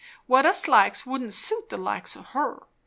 "What us likes wouldn't suit the likes o' her.